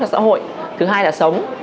cho xã hội thứ hai là sống